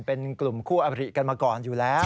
เป็นกลุ่มคู่อบริกันมาก่อนอยู่แล้ว